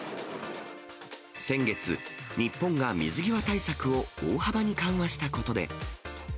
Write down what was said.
先月、日本が水際対策を大幅に緩和したことで。